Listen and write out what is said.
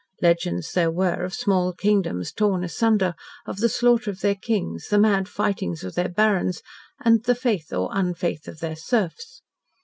Legends there were of small kingdoms torn asunder, of the slaughter of their kings, the mad fightings of their barons, and the faith or unfaith of their serfs.